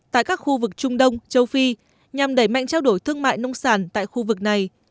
tại các khu vực trung đông châu phi nhằm đẩy mạnh trao đổi thương mại nông sản tại khu vực này